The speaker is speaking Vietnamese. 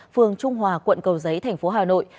phường trung hòa quận cầu giấy thành phố hà nội